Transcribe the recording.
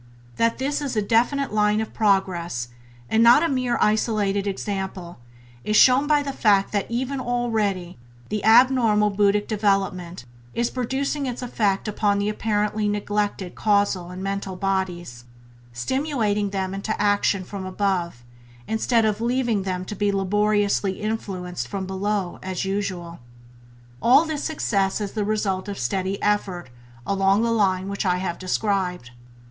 That this is a definite line of progress, and not a mere isolated example, is shown by the fact that even already the abnormal buddhic development is producing its effect upon the apparently neglected causal and mental bodies, stimulating them into action from above instead of leaving them to be labouriously influenced from below as usual. All this success is the result of steady effort along the line which I have described.